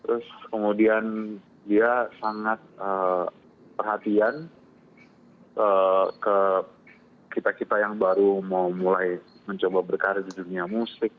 terus kemudian dia sangat perhatian ke kita kita yang baru mau mulai mencoba berkarir di dunia musik